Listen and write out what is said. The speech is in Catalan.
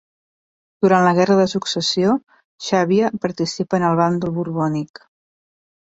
Durant la Guerra de Successió, Xàbia participa en el bàndol borbònic.